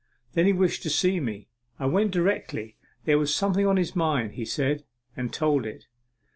Then he wished to see me. I went directly. There was something on his mind, he said, and told it.